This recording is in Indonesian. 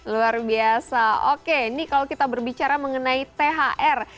luar biasa oke ini kalau kita berbicara mengenai thr